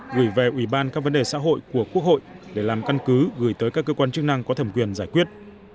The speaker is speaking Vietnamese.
gửi về ủy ban các vấn đề xã hội của quốc hội để làm căn cứ gửi tới các cơ quan chức năng có thẩm quyền giải quyết